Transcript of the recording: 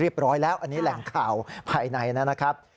เรียบร้อยแล้วอันนี้แหล่งข่าวภายในนั้นนะครับ